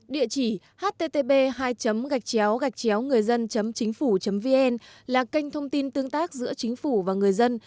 địa chỉ http ngườidân chínhphủ vn là kênh thông tin tương tác giữa chính phủ và người dân